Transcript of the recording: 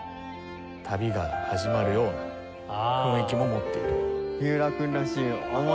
旅が始まるような雰囲気も持っている。